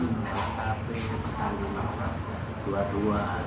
di stadion kanjuruhan dua puluh dua